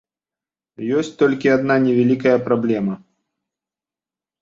Ёсць толькі адна невялікая праблема.